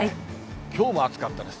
きょうも暑かったです。